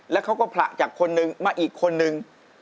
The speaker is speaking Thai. แล้วเขาก็ผละจากคนนึงมาอีกคนนึง